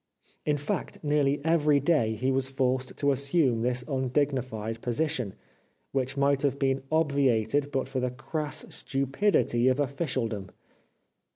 In fact, nearly every day he was forced to assume this undignified position, which might have been obviated but for the crass stupidity of officialdom.